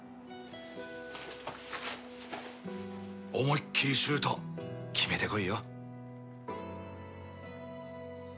思いっきりシュート決めてこいよ。